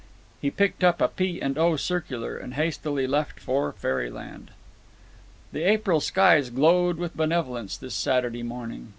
He picked out a P. & O. circular, and hastily left for fairyland. The April skies glowed with benevolence this Saturday morning.